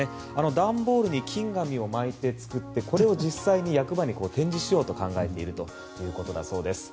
段ボールに金紙を巻いて作ってこれを実際に役場に展示しようと考えているそうです。